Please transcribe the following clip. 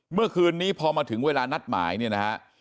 เมื่อคืนนี้พอมาถึงเวลานัดหมายเนี่ยนะฮะ